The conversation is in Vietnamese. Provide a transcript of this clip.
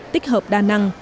tích hợp đa năng